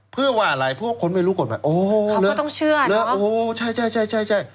เพื่อว่าอะไรเพราะว่าคนไม่รู้กฎหมายโอ้เหลือโอ้ใช่